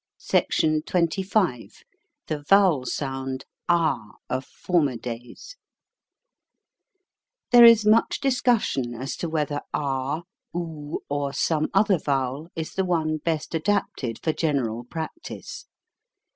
SECTION XXV THE VOWELrSOUND AH OF FORMER DAYS THERE is much discussion as to whether ah, oo, or some other vowel is the one best adapted for general practice.